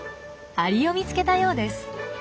アリを見つけたようです。